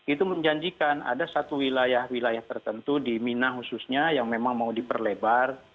itu menjanjikan ada satu wilayah wilayah tertentu di mina khususnya yang memang mau diperlebar